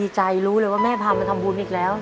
ใจรู้เลยว่าแม่พามาทำบุญอีกแล้ว